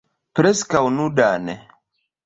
Preskaŭ nudan.